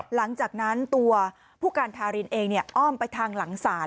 หลังจากนั้นตัวผู้การทารินเองอ้อมไปทางหลังศาล